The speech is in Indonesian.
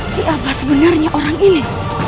siapa sebenarnya orang ini